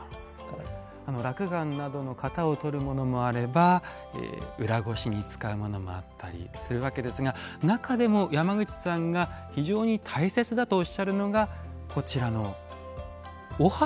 らくがんなどの型を取るものもあれば裏ごしに使うものもあったりするわけですが中でも山口さんが非常に大切だとおっしゃるのがこちらのお箸ということですね。